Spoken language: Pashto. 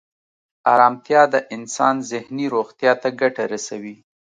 ارامتیا د انسان ذهني روغتیا ته ګټه رسوي.